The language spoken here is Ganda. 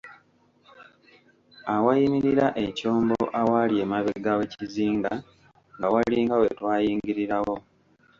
Awayimirira ekyombo awaali emabega w'ekizinga nga walinga we twayingirirawo.